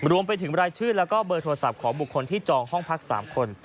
รวมไปถึงรายชื่อแล้วก็เบอร์โทรศัพท์ของบุคคลที่จองห้องพัก๓คน